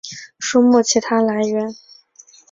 书目其它来源